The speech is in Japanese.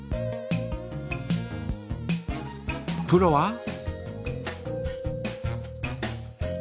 プロは？